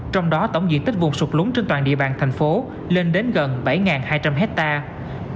trong đó tổng diện tích vùng sụp lún trên toàn địa bàn thành phố lên đến gần bảy hai trăm linh hectare